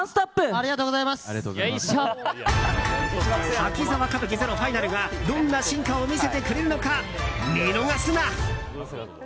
「滝沢歌舞伎ＺＥＲＯＦＩＮＡＬ」がどんな進化を見せてくれるのか見逃すな！